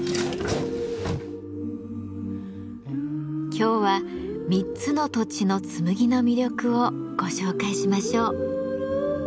今日は３つの土地の紬の魅力をご紹介しましょう。